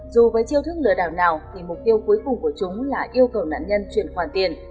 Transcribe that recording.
dù với chiêu thức lừa đảo nào thì mục tiêu cuối cùng của chúng là yêu cầu nạn nhân chuyển khoản tiền